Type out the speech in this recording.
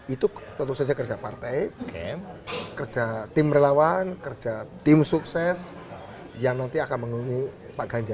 itu tentu saja kerja partai kerja tim relawan kerja tim sukses yang nanti akan menghubungi pak ganjar